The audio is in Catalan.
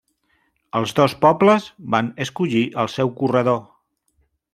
Els dos pobles van escollir el seu corredor.